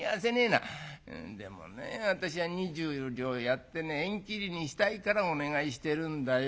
「でもね私は２０両やってね縁切りにしたいからお願いしてるんだよ。